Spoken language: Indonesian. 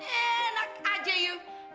enak aja yuk